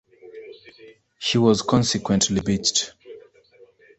She was consequently beached.